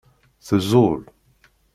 Teẓẓul.